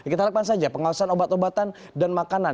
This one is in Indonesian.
kita harapkan saja pengawasan obat obatan dan makanan